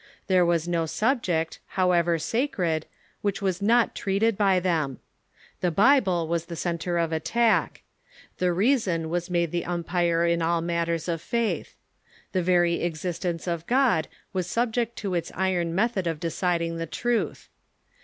There was no subject, however _, sacred, which was not treated by them. The Bible General '•' Position of was the centre of attack. The reason was made the Rationalism ^^j^p^.g [^ ^11 matters of faith. The very existence of God was subject to its iron method of deciding the truth.